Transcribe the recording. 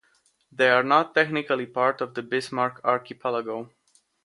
They are not technically part of the Bismarck Archipelago.